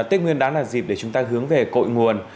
tết nguyên đán là dịp để chúng ta hướng về cội nguồn